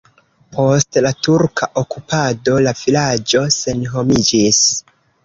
Post la turka okupado la vilaĝo senhomiĝis.